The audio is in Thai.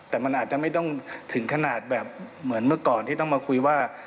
แต่มันอาจจะไม่ต้องถึงขนาดแบบเหมือนเมื่อก่อนที่ต้องมาคุยว่า